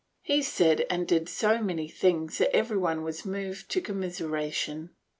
He said and did so many things that everyone was moved to commiseration.